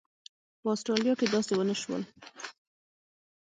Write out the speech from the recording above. په اسټرالیا کې داسې ونه شول.